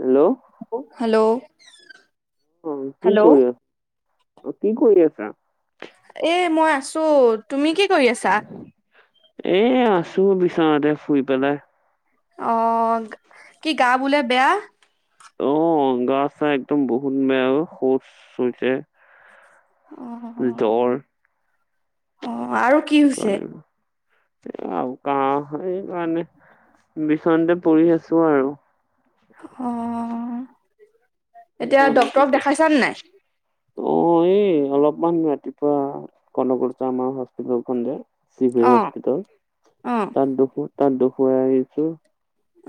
Hello অ hello অ কি হেল্ল' কৰি আছ, অ কি কৰি আছা? এ মই আছো, তুমি কি কৰি আছা? এ আছো বিচনাতে শুই পেলাই। অ' কি গা বোলে বেয়া? অ' গা চা একদম বহুত বেয়া ঔ শৌচ হৈছে। অ'। জ্বৰ। অ' আৰু কি হৈছে? এ আৰু কাহ সেইকাৰণে বিচনাতে পৰি আছো আৰু। অ' এতিয়া ডক্তৰক সেইকাৰণে কি দেখাইছানে কৰিম? নাই? অ' এই অলপমান ৰাতিপুৱা কণকলতা আমাৰ হস্পিতল খন যে চিভিল অ হস্পিতেল, অ তাত দুখু তাত দুখুৱাই আহিছো।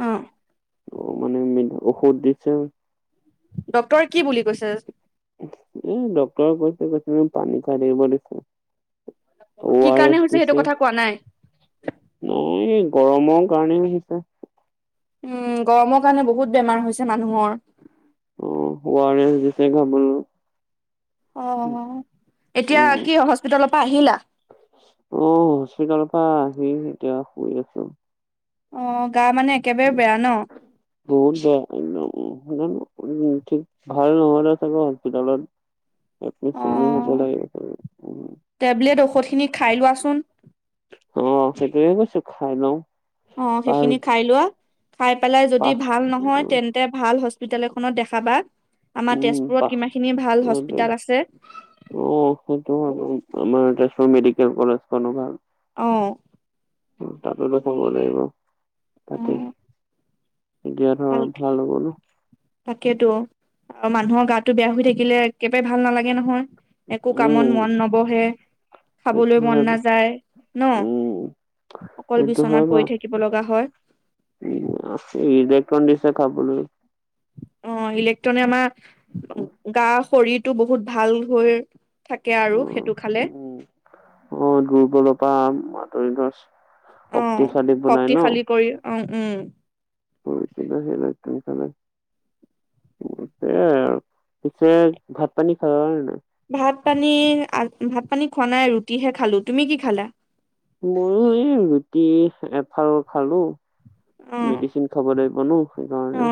অ'। অ' মানে মিন ঔষধ দিছে। ডক্তৰে কি বুলি কৈছে? এ ডক্তৰে কৈছে কৈছে পানী খাই থাকিব দিছে। কি অ' আৰ কাৰণে এছ হৈছে সেইটো দিছে। কথা কোৱা নাই অ' এই গৰমৰ কাৰণেই হৈছে। উম গৰমৰ কাৰণে বহুত বেমাৰ হৈছে মানুহৰ। অ', অ' আৰ এছ দিছে খাবলে। অ' এতিয়া উম কি হস্পিটেলৰ পৰা আহিলা? অ হস্পিটেলৰ পৰা আহি এতিয়া শুই আছোঁ। অ' গা মানে একেবাৰে বেয়া ন? বহুত বেয়া [unintelligible] ভাল নহলে চাগে হস্পিতালত এডমিড অ চেডমিড হ'ব লাগিব পাৰে। টেবলেট ঔষধখিনি খাই লোৱাচোন। অ' সেইটোৱে কৈছো খাই লওঁ। অ' সেইখিনি পাঁচ খাই লোৱা খাই পেলাই যদি পাঁচ ভাল নহয় তেন তে ভাল হস্পিটেল এখনত দেখাবা আমাৰ উম তেজপুৰত পাহ কিমানখিনি ভাল সেইটো হস্পিটেল আছে। অ' সেইটোও হয় আমাৰ তেজপুৰ মেডিকেল কলেজখনো ভাল। অ'। উম তাতে দেখুৱাব লাগিব অ তাকে। এতিয়া ধৰ অলপ ভাল হ'ব ন'। তাকেইেতো আৰু মানুহৰ গাটো বেয়া হৈ থাকিলে একেবাৰে ভাল নালাগে নহয়। একো কামত উম মন নবহে, সেইটো খাবলৈ হয় মন বাৰু। নাযায় ন'। উম অকল সেইটো হয় বিচনাত বাৰু পৰি থাকিব লগা হয়। উম ইলেক্ট্ৰল দিছে খাবলৈ। অ' ইলেক্ট্ৰনে আমাৰ গা শৰীৰটো বহুত ভাল হৈ থাকে আৰু উম সেইটো খালে। অ' দুৰ্বলৰ পৰা আাতৰি ধৰ অ' শক্তিশালী বনাই ন শক্তিশালী কৰি অ' উম। [unintelligible] সেইয়াই আৰু, পিছে ভাত পানী খালা নে নাই? ভাত পানী ভাত পানী খোৱা নাই ৰুটিহে খালো। তুমি কি খালা? ময়ো এই ৰুটি এফাল খালো। অ মেডিচিন খাব লাগিব ন' অ সেইকাৰণে।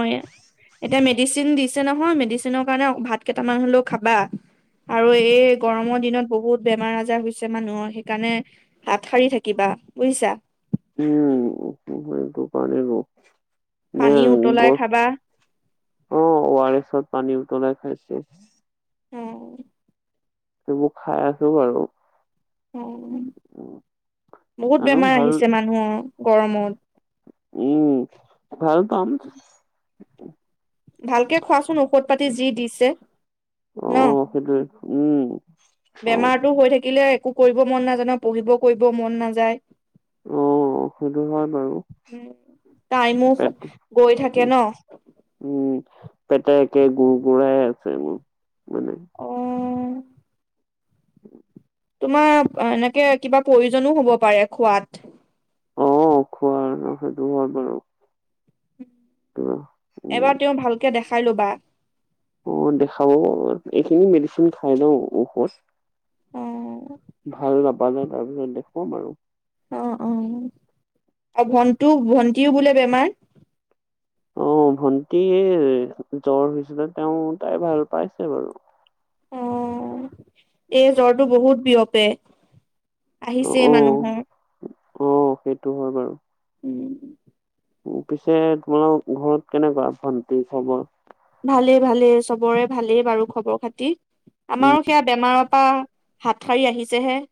এতিয়া মেডিচিন দিছে নহয় মেডিচিনৰ কাৰণে ভাত কেইটামান হলেও খাবা। আৰু এই গৰমৰ দিনত বহুত বেমাৰ আজাৰ হৈছে মানুহৰ সেইকাৰণে হাত সাৰি থাকিবা বুজিছা। উম এইটো কাৰণ গ [unintelligible] পানী নাই উতলাই গ খাবা অ', আৰ এছত পানী উতলাই খাইছোঁ। উম। এইবোৰ খাই আছোঁ বাৰু। অ', বহুত জানো বেমাৰ ভাল আহিছে মানুহৰ গৰমত উম ভাল পাম। ভালকে খোৱাচোন ঔষধ পাতি যি দিছে ন। অ' সেইটোৱে উম। খাওঁ। বেমাৰতো হৈ থাকিলে একো কৰিব মন নাজানো পঢ়িব কৰিব মন নাযায়। অ'। অ', সেইটো হয় বাৰু। উ টাইমো গৈ থাকে ন উম পেটে একে গুুৰ গু়াই আছে মোৰ মানে। উম। উ। তোমাৰ এনেকে কিবা প্ৰয়োজনো হ'ব পাৰে খোৱাত। খোৱা সেইটো হয় বাৰু। কিবা উম। এবাৰ তেওঁ ভালকে দেখাই লোবা। অ', দেখাব এইখিনি মেডিচিন খাই লওঁ ঔষধ। অ' ভাল নাপালে তাৰপিছত দেখুৱাম আৰু। অ', অ', আৰু ভণ্টিও ভন্টিও বোলে বেমাৰ। অ', ভণ্টি জ্বৰ হৈছিলে তেওঁ তাই ভাল পাইছে বাৰু। অ', এই জ্বৰটো বহুত বিয়পে। অ' আহিছে অ' মানুহৰ। অ', সেইটো হয় বাৰু। উম। পিছে তোমালোকৰ ঘৰত কেনেকুৱা ভণ্টি খবৰ? ভালেই, ভালেই চবৰে ভালেই বাৰু খবৰ খাতি আমাৰো সেয়া বেমাৰত পা হাত সাৰি আহিছেহে।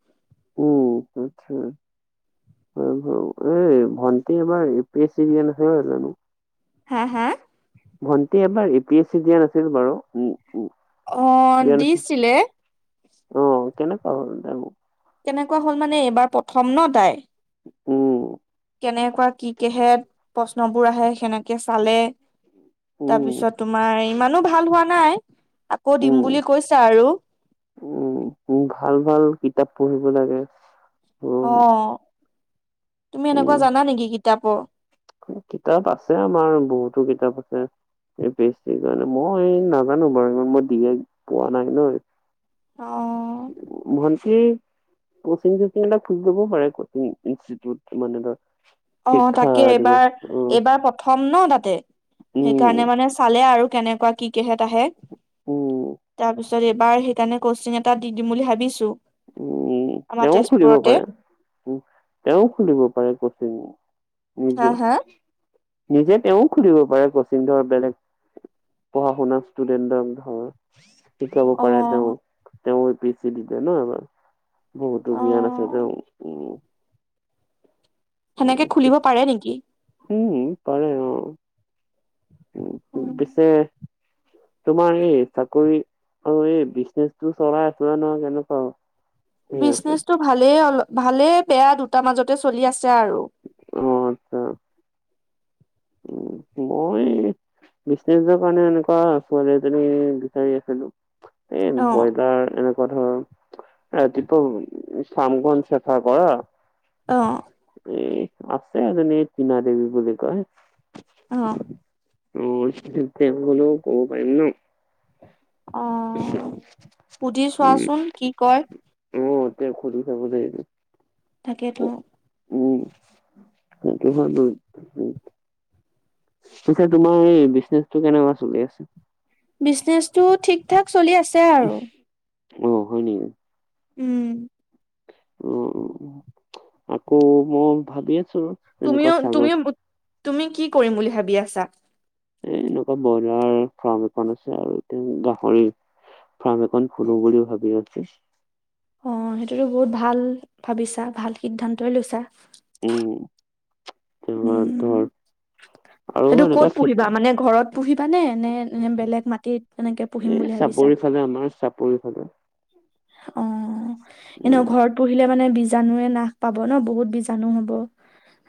উম সেইটো। এই ভণ্টি আমাৰ ইউপিয়েচি দিয়া নাছিলে জানোঁ। হা, হা ভণ্টি এবাৰ উ পি এছ চি দিয়া নাছিল বাৰু উ অ' দিছিলে অ', কেনেকা হ'ল [unintelligible] কেনেকুৱা হ'ল মানে এইবাৰ প্ৰথম ন তাই উম। কেনেকুৱা কি কেহে প্ৰশ্নবোৰ আহে সেনেকে চালে উম তাৰপিছত তোমাৰ ইমানো ভাল হোৱা নাই আকৌ দিম উম বুলি কৈছে আৰু। উম, উ ভাল ভাল কিতাপ পঢ়িব লাগে। উম অ', তুমি এনেকুৱা উম জানা নেকি কিতাপৰ কিতাপ আছে আমাৰ বহুতো কিতাপ আছে। এই বেছ সেইকাৰণে মই নাজানোঁ বাৰু মই দিয়ে পোৱা নাই ন। অ ভণ্টি কচিং, চচিং এটা খুলি লব পাৰে কচিং ইনষ্টিউট মানে ধ অ', তাকে এইবাৰ, এইবাৰ প্ৰ প্ৰথম ন তাতে উম সেইকাৰণে মানে চালে আৰু কেনেকুৱা কি কিহত আহে উম তাৰপিছত এইবাৰ সেইকাৰণে কচিং এটা দি দিম বুলি ভাবিছো। উম আমাৰ তেওঁ খুলিব তেজপুৰতে পাৰে। উম তেওঁ খুলিব পাৰে কচিং হা নিজে। হা নিজে তেওঁ খুলিব পাৰে কচিং ধৰ বেলেগ পঢ়া শুনাৰ ষ্টুডেণ্টক ধৰ। শিকাব অ পাৰে তেওঁ, তেওঁ এ পি এ চি দিছে ন এইবাৰ বহুত অ জ্ঞান আছে তেওঁৰ উম উম সেনেকে খুলিব পাৰে নেকি? উম পাৰে অঁ, উম পিছে তোমাৰ এই চাকৰি আৰু এই বিজনেচটো চলাই আছিলে নহয় কেনেকুৱা ঠিক আছে। বিজনেচটো ভালেই অল ভালে বেয়া দুটা মাজতে চলি আছে আৰু। অ আচ্ছা। উম মই এই বিজনেচৰ কাৰণে এনেকুৱা ছোৱালী এজনী বিচাৰি আছিলো। এ অ ব্ৰইলাৰ এনেকুৱা এনেকোৱা ধৰা ৰাতিপোৱা ফামখন চাফা কৰা। অ। এ আছে এজনী তীনা দেৱী বুলি কয়। অহ। অ তেওঁক হলো ক'ব পাৰিম ন। অ সুধি চোৱাচোন কি কয় উম অঁ তেওঁক সুধি চাব লাগিব। তাকেতো। উম সেইটো হয় বাৰু উম পিছে তোমাৰ এই বিজনেচটো কেনেকুৱা চলি আছে? বিজনেচটো ঠিক ঠাক চলি আছে আৰু। অ হয় নেকি? উম উম আকৌ মই ভাবি আছো তুমিও তুমিও তুমি কি কৰিম বুলি ভাবি আছা? এ এনেকুৱা ব্ৰইলাৰ ফাৰ্ম এখন আছে আৰু এতিয়া গাহৰি ফাৰ্ম এখন খোলো বুলি ভাবি আছো। অ সেইটোতো বহুত ভাল ভাবিছা ভাল সিদ্ধান্তই লৈছা। উম তোমাৰ উম, ধৰ আৰু সেইটো কত এনেকুৱা খে পুহিবা মানে ঘৰত পুহিবা নে, নে এনে বেলেগ মাটিত এনেকে পুহিম বুলি ভাবিছা? এইফালে আমাৰ চাপৰি ফালে। অঁহ এনে উম ঘৰত পুহিলে মানে বীজাণুৱে নাশ পাব ন বহুত বীজাণু হব।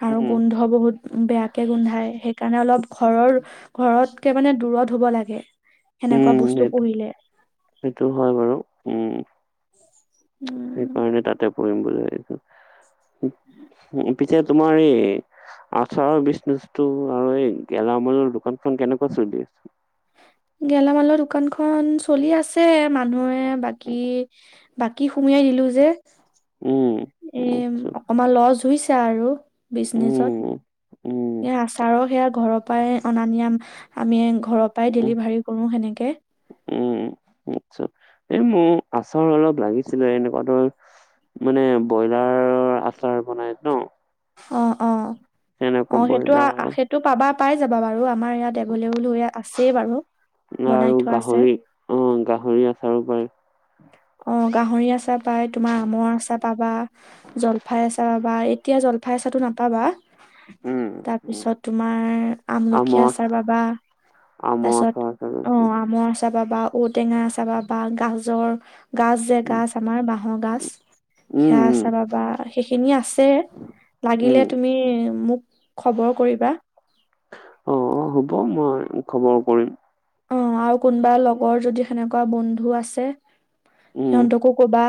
আৰু উম গোন্ধ বহুত বেয়াকে গোন্ধাই সেইকাৰণে অলপ ঘৰৰ ঘৰতকে মানে দূৰত হব লাগে। উম সেনেকুৱা বস্তু সেইটো পুহিলে। সেইটো হয় বাৰু উম। উম সেইকাৰণে তাতে পুহিম বুলি ভাবিছো। পিছে তোমাৰ এই আচাৰৰ বিজনেচটো আৰু এই গেলামালৰ দোকানখন কেনেকুৱা চলি আছে? গেলামালৰ দোকানখন চলি আছে মানুহে বাকী বাকী সুমিয়াই দিলো যে। উম' এ উম অকমান লছ হৈছে আৰু বিজনেচত। উম উম এই আচাৰৰ সেয়া ঘৰৰ পৰাই অনা নিয়া আমি ঘৰৰ পৰাই উম ডেলিভাৰী কৰো সেনেকে। উম' আৎচ্ছা, এই মোৰ আচাৰ অলপ লাগিছিলে এনেকুৱা ধৰ- মানে ব্ৰইলাৰ আচাৰ বনাই ন। অঁ অঁ, তেনেকুৱা অঁ সেইটো আ ব্ৰইলাৰ আ সেইট- তো পাবা পাই যাবা বাৰু আমাৰ ইয়াত এভোল এভোল হৈ আছেই বাৰু বনাই থোৱা আছে। অঁ গাহৰি আচাৰো পায়। অঁ গাহৰি আচাৰ পায় তোমাৰ আমৰ আচাৰ পাবা। জলফাই আচাৰ পাবা, এতিয়া জলফাই আচাৰটো নাপাবা। উম, উম, তাপিছত তোমাৰ আমলখী আমৰ আচাৰ আচ- পাবা। আমৰ তাপিছত, আচাৰ চাগে অঁ উম, আমৰ আচাৰ পাবা, ঔটেঙা আচাৰ পাবা, গাজৰ- গাজ যে গাজ আমাৰ বাঁহৰ গাজ সেয়া উম, আচাৰ পাবা সেইখিনি আছে। লাগিলে উম। তুমি মোক খবৰ কৰিবা। অঁ অঁ হ'ব মই খবৰ কৰিম। অঁ আৰু কোনোবা লগৰ যদি সেনেকুৱা বন্ধু আছে, উম, সিহঁতকো কবা।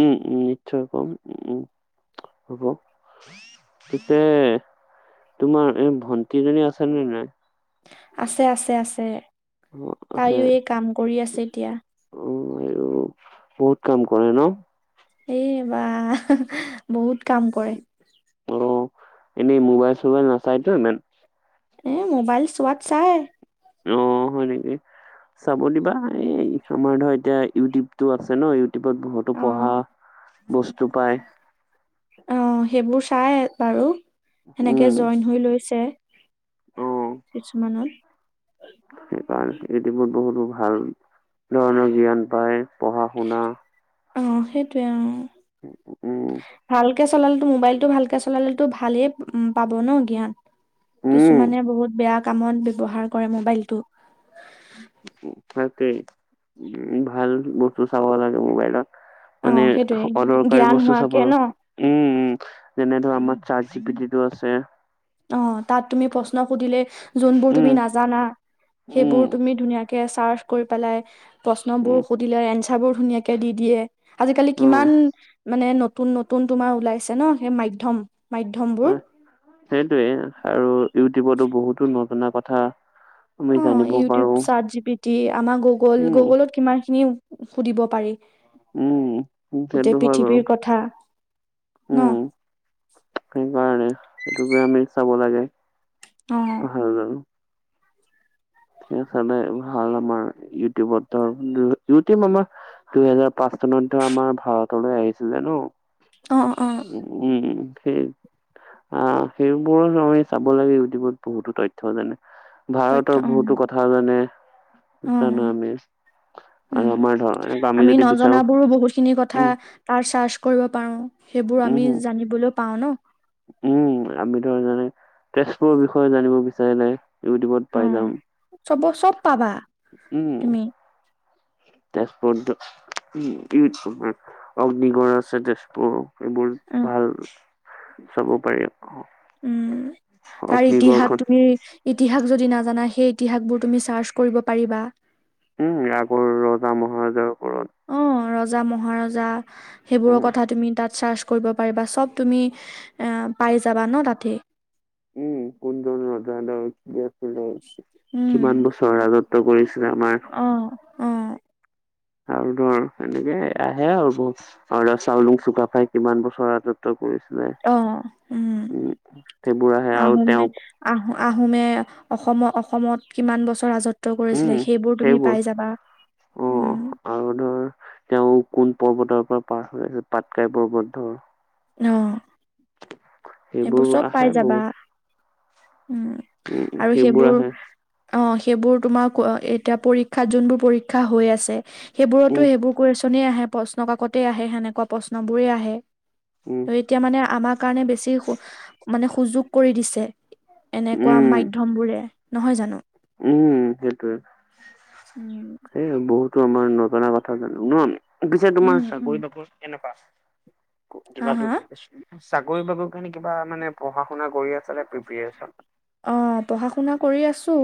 উম উম' নিশ্চয় ক'ম, উম হব। পিছে তোমাৰ এই ভন্টিজনী আছেনে নাই? আছে আছে আছে, অ' আছে তাইও এই কাম কৰি আছে এতিয়া। অ' আইঅ বহুত কাম কৰে ন। এই বাহ। বহুত কাম কৰে। অ' এনেই মোবাইল চোবাইল নাচাইতো ইমান? এ মোবাইল চোৱাত চাই। অঁ হয় নেকি? চাব দিবা, এই আমাৰ ধৰা এতিয়া ইউটিউবটো আছে ন' ইউ- টিউবত বহুতো অ পঢ়া বস্তু পায়। অঁ সেইবোৰ চাই বাৰু উম, সেনেকে জইন হৈ লৈছে। অ', কিছুমানত- সেইকাৰণে ইউটিউবত বহুতো ভাল ধৰণৰ জ্ঞান পায় পঢ়া শুনা- অঁ সেইটোৱে অঁ'। উ উম' ভালকে চলালেটো মোবাইলতটো ভালকে চলালেটো ভালেই পাব ন জ্ঞান। উম, কিছুমানে বহুত বেয়া কামত ব্যৱহাৰ কৰে মোবাইলটো। উম তাকেই, ভাল বস্তু চাব লাগে মোবাইলত। অ মানে সেইটোয়ে অপদৰকাৰী জ্ঞান বস্তু চাব- হোৱাকে ন উম উম' যেনে ধৰ আমাৰ চাৰ জি পিটিটো আছে। অঁ তাত তুমি প্ৰশ্ন সুধিলে যোনবোৰ উম, তুমি নাজানা, সেইবোৰ উম, তুমি ধুনীয়া- কে চাৰ্চ কৰি পেলাই প্ৰশ্নবোৰ সুধিলে এনঞ্চাৰবোৰ ধুনীয়াকে দি দিয়ে। আজিকালি উম, কিমান মানে নতুন নতুন তোমাৰ ওলাইছে ন সেই মাধ্যম। অ', মাধ্যমবোৰ। সেইটোৱে আৰু ইউটিউবতো বহুতো নজনা কথা- আমি অঁ জানিব পাৰো। YouTube shirt G P T আমাৰ গুগল উম, গুগলত কিমান খিনি সুধিব পাৰি। উম, সেইটো গোটেই হয় বাৰু। পৃথিৱীৰ কথা উম, ন। সেইকাৰণে, সেইটোকে আমি চাব লাগে। অ', হেল্লৌ' এই চালে, ভাল আমাৰ, ইউটিউবত- ইউটিউব আমাৰ দুইহেজাৰ পাঁচ চনত আমাৰ ভাৰতলৈ আহিছিলে ন। অঁ- অঁ। উম, উম। আহ, সেইবোৰ আমি চাব লাগে ইউটিউবত বহুতো তথ্য যেনে তথ্য ভাৰতৰ বহুতো অ', কথা জানে জানো অ', আমি। আৰু উম, আমাৰ ধৰ আমি যদি বিচাৰো নজনাবোৰো বহুতখিনি কথা উম, তাৰ চাৰ্চ কৰিব পাৰো। সেইবোৰ উম, আমি জানিবলৈ পাওঁ ন। উম, আমি ধৰ যেনে, তেজপুৰৰ বিষয়ে জানিব বিচাৰিলে ইউটিউবত পাই অ', যাম, চব চব পাবা উম। তুমি তেজপুৰত যিটো উম, অগ্নিগড় আছে তেজপুৰ এইবোৰ উম, ভাল, চাব পাৰি। উম, তাৰ ইতিহাস অগ্নিগড়খন তুমি ইতিহাস যদি নাজানা, সেই ইতিহাসবোৰ তুমি চাৰ্চ কৰিব পাৰিবা। উম, আগৰ ৰজা মহাৰজাৰ ওপৰত। অ, ৰজা মহাৰজা সেইবোৰৰ উম, কথা তুমি তাত চাৰ্চ কৰিব পাৰিবা। চব তুমি পাই যাবা ন তাতে। উম, কোন জন ৰজা ধৰ, কি আছিলে উম, কিমান বছৰ ৰাজ ৰাজত্ব কৰিছিলে আমাৰ অ- অ। আৰু তোৰ, আহে আৰু স্বৰ্গদেউ চাওলুং চুকাফা কিমান বছৰ ৰাজত্ব ৰাজত্ব কৰিছিলে। উম, সেইবোৰ আহে আৰু তেওঁক আহোম- আহোমে অসম- অসমত কিমান বছৰ ৰাজত ত্ব কৰিছিলে, সেইবোৰ তুমি পাই যাবা। অ', উম। আৰু ধৰ, তেওঁ কোন পৰ্বতৰ পৰা পাৰ হৈ আহিছিল, পাটকাই পৰ্বত ধৰ। অঁ। সেইবোৰ চব আহে পাই যাবা। বহুত উম, উম, আৰু সেইবোৰ আহে অ, সেইবোৰ তোমাৰ এতিয়া পৰীক্ষাত যোনবোৰ পৰীক্ষা হৈ আছে। সেইবোৰতো উম, সেইবোৰ কুৱেশ্যনে আহে, প্ৰশ্ন কাকতেই আহে, সেনেকুৱা প্ৰশ্ন বোৰেই আহে। উম। ত এতিয়া মানে আমাৰ কাৰণে বেছি মানে সুযোগ কৰি দিছে। এনেকুৱা উম, মাধ্যম বোৰে, নহয় জানো? উম, সেইটোৱে উম সেই বহুতো আমাৰ নজনা কথা জানো ন, আমি। পিছে উম তোমাৰ উম চাকৰি- বাকৰি কেনেকুৱা আছে? হা কিবা হা চাকৰি- বাকৰি কাৰণে কিবা মানে পঢ়া শুনা কৰি আছানে, প্ৰিপাৰেচন? অ, পঢ়া শুনা কৰি আছোঁ।